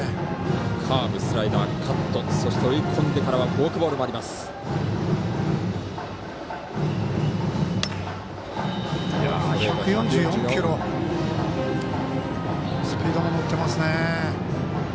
カーブ、スライダーカット、追い込んでからはフォークボールもあります。